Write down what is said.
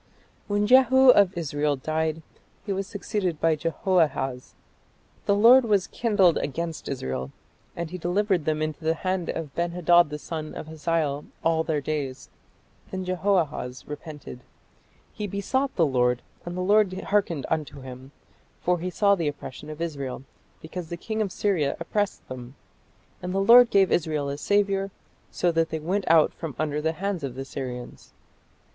" When Jehu of Israel died, he was succeeded by Jehoahaz. "The Lord was kindled against Israel, and he delivered them into the hand of Ben hadad the son of Hazael all their days." Then Jehoahaz repented. He "besought the Lord, and the Lord hearkened unto him: for he saw the oppression of Israel, because the king of Syria oppressed them. And the Lord gave Israel a saviour, so that they went out from under the hands of the Syrians."